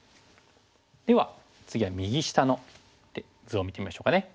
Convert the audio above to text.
では次は右下の図を見てみましょうかね。